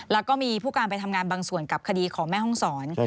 แล้วก็มีผู้การไปทำงานบางส่วนกับคดีของแม่ห้องศร